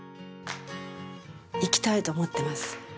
生きたいと思ってます。